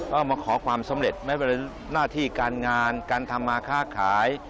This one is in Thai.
ก็มาขอความสำเร็จไม่เป็นหน้าที่การงานการทำมาค่าขาย